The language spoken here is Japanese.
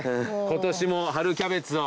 今年も春キャベツを。